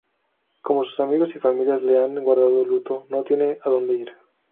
Como sus amigos y familia le han guardado luto, no tiene a donde ir.